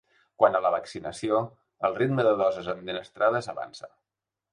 Quant a la vaccinació, el ritme de dosis administrades avança.